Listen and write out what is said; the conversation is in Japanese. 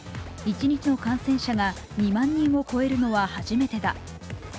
一日の感染者が２万人を超えるのは初めてだ。